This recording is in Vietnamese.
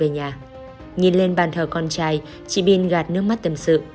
nhìn lên bàn thờ con trai chị pin gạt nước mắt tâm sự